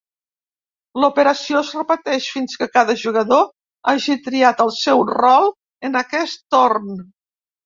L'operació es repeteix fins que cada jugador hagi triat el seu rol en aquest torn.